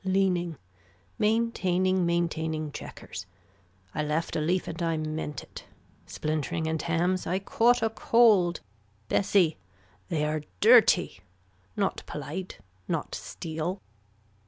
Leaning. Maintaining maintaining checkers. I left a leaf and I meant it. Splintering and hams. I caught a cold. Bessie They are dirty. Not polite. Not steel.